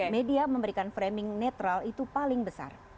media memberikan framing netral itu paling besar